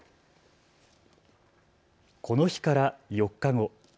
この日から４日後。